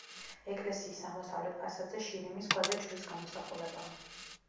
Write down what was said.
ეკლესიის აღმოსავლეთ ფასადზე შირიმის ქვაზე ჯვრის გამოსახულებაა.